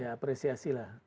ya apresiasi lah